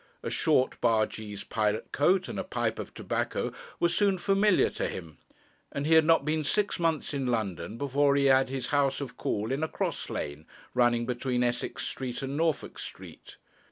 A short bargee's pilot coat, and a pipe of tobacco, were soon familiar to him; and he had not been six months in London before he had his house of call in a cross lane running between Essex Street and Norfolk Street.